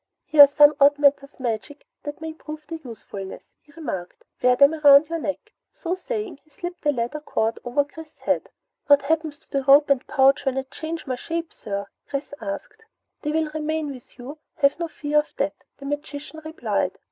"Here are some oddments of magic that may prove their usefulness," he remarked. "Wear them about your neck." So saying he slipped the leather cord over Chris's head. "What happens to the rope and pouch when I change my shape, sir?" Chris asked. "They will remain with you, have no fear of that," the magician replied.